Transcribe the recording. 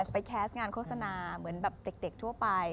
แคสต์งานโฆษณาเหมือนแบบเด็กทั่วไป